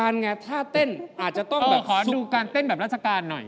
อาชีพขอดูการเต้นแบบราชการหน่อย